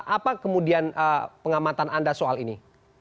apa kemudian pengamatan anda soal ini